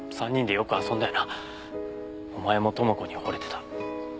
お前も朋子に惚れてた。